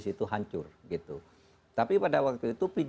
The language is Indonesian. situ hancur gitu tapi pada waktu itu